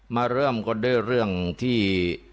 มาเริ่มกันด้วยเรื่องที่